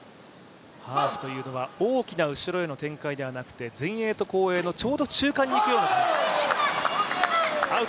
ハーフというのは大きな後ろの展開ではなくて、前衛と後衛のちょうど中間に行くような球。